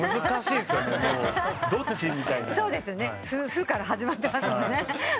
「フ」から始まってますもんね。